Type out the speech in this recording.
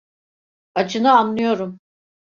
Acını anlıyorum.